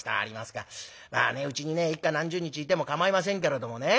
まあねうちにね幾日何十日いても構いませんけれどもね